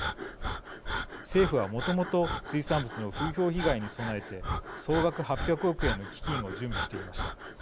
政府は、もともと水産物の風評被害に備えて総額８００億円の基金を準備していました。